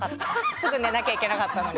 すぐ寝なきゃいけなかったのに。